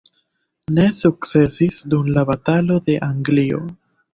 Ne sukcesis dum la batalo de Anglio.